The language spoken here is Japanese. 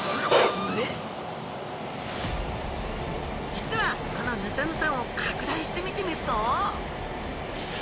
実はこのヌタヌタを拡大して見てみると。